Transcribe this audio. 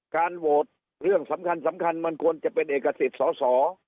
การโหวตเรื่องสำคัญมันควรจะเป็นเอกสิทธิ์สอสอ